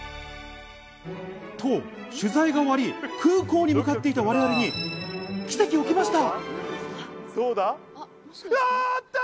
取材が終わり、空港に向かっていた我々に奇跡が起きました。